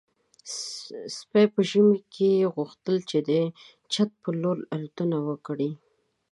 سپي په ژمي کې غوښتل چې د چت په لور الوتنه وکړي.